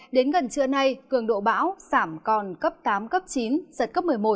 đến gần trưa nay cường độ bão giảm còn cấp tám cấp chín giật cấp một mươi một